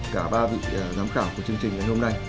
cả ba vị giám khảo của chương trình ngày hôm nay